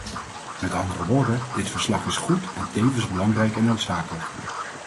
Met andere woorden: dit verslag is goed en tevens belangrijk en noodzakelijk.